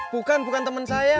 bukan bukan temen saya